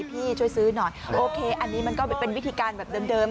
พี่ช่วยซื้อหน่อยโอเคอันนี้มันก็เป็นวิธีการแบบเดิม